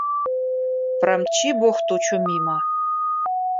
– Промчи бог тучу мимо.